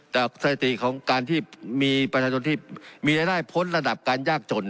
สถิติของการที่มีประชาชนที่มีรายได้พ้นระดับการยากจน